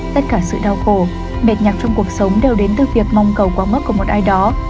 tất cả sự đau khổ mệt nhạt trong cuộc sống đều đến từ việc mong cầu quang mất của một ai đó